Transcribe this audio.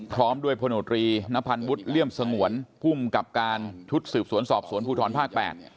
พร้อมด้วยพลโนตรีนพันธ์วุฒิเลี่ยมสงวนภูมิกับการชุดสืบสวนสอบสวนภูทรภาค๘